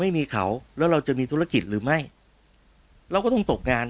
ไม่มีเขาแล้วเราจะมีธุรกิจหรือไม่เราก็ต้องตกงาน